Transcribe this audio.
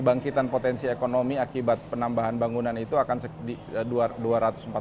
bangkitan potensi ekonomi akibat penambahan bangunan itu akan dua ratus